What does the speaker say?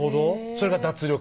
それが脱力？